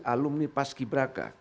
alumni pas kiberaka